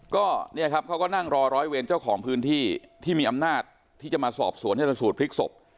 ก็เนี่ยครับเขาก็นั่งรอร้อยเวรเจ้าของพื้นที่ที่มีอำนาจที่จะมาสอบสวนชนสูตรพลิกศพ